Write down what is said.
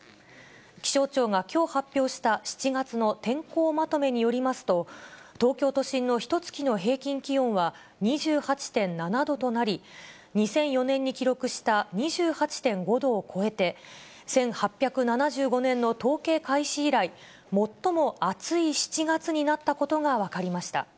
気象庁がきょう発表した７月の天候まとめによりますと、東京都心のひとつきの平均気温は２８．７度となり、２００４年に記録した２８．５度を超えて、１８７５年の統計開始以来、最も暑い７月になったことが分かりました。